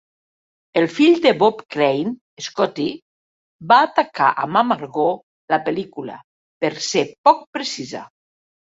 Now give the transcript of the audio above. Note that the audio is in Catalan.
El fill de Bob Crane, Scotty, va atacar amb amargor la pel·lícula, per ser poc precisa.